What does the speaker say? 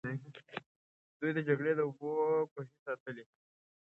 دوی د جګړې د اوبو کوهي ساتلې.